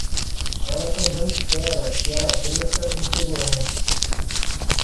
Ela também espera que ela cresça em segurança.